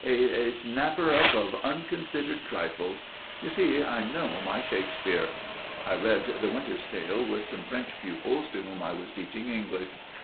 a a 'snapper up of unconsidered trifles.' You see I know my Shakespeare. I read 'The Winter's Tale' with some French pupils to whom I was teaching English.